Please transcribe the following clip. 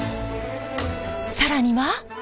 更には。